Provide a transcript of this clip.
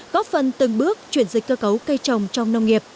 góp phần từng bước chuyển dịch cơ cấu cây trồng trong nông nghiệp